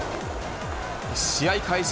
試合開始